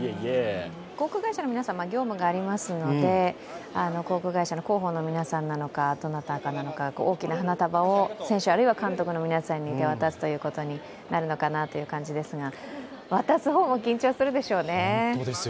航空会社の皆さん、業務がありますので、航空会社の広報の皆さんなのか、どなたなのか、大きな花束を選手あるいは監督の皆さんに手渡すことになるのかなと思いますが、渡す方も緊張するでしょうね。